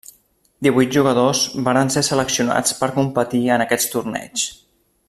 Divuit jugadors varen ser seleccionats per competir en aquests torneigs.